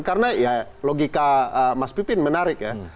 karena ya logika mas pipin menarik ya